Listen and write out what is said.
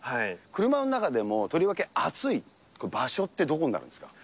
車の中でもとりわけ暑い場所ってどこになるんですか？